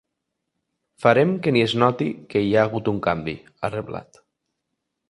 “Farem que ni es noti que hi ha hagut un canvi”, ha reblat.